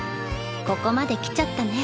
ここまで来ちゃったね。